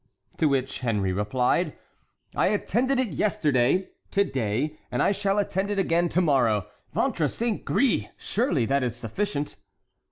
To which Henry replied: "I attended it yesterday, to day, and I shall attend it again to morrow. Ventre saint gris! surely that is sufficient."